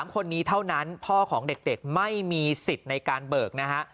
๓คนนี้เท่านั้นพ่อของเด็กไม่มีสิทธิ์ในการเบิกนะฮะ